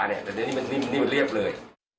เนี่ยมันเรียบเลย